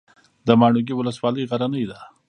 د ماڼوګي ولسوالۍ غرنۍ ده